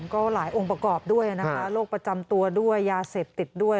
ก็หลายองค์ประกอบด้วยนะคะโรคประจำตัวด้วยยาเสพติดด้วย